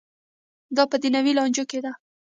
دا په دنیوي لانجو کې ده.